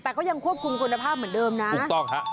แต่ก็ยังควบคุมคุณภาพเหมือนเดิมนะถูกต้องฮะ